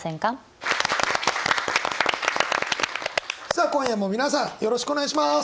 さあ今夜も皆さんよろしくお願いします。